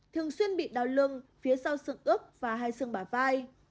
thường xuyên bị đau lưng phía sau xương ướp và hai xương bả vai